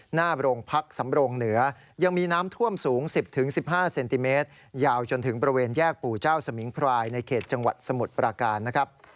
หน้าโรงพักสำรงเหนือยังมีน้ำท่วมสูง๑๐๑๕เซนติเมตรยาวจนถึงบริเวณแยกปู่เจ้าสมิงพรายในเขตจังหวัดสมุทรปราการนะครับ